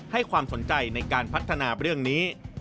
ให้ความสนใจในการพัฒนาเรื่องนี้